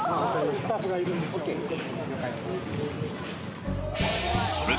スタッフがいるんで。